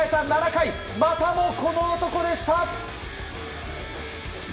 ７回またもこの男でした！